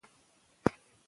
که سوله وي نو جاله نه وي.